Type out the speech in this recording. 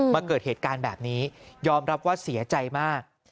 เกิดเหตุการณ์แบบนี้ยอมรับว่าเสียใจมาก